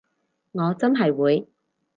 我真係會